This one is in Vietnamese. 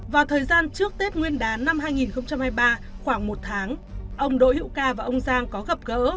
vào thời gian trước tết nguyên đán năm hai nghìn hai mươi ba khoảng một tháng ông đỗ hữu ca và ông giang có gặp gỡ